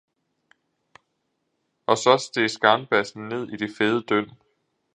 Og så steg skarnbassen ned i det fede dynd.